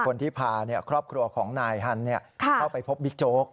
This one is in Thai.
คนที่พาครอบครัวของนายฮันเข้าไปพบบิ๊กโจ๊ก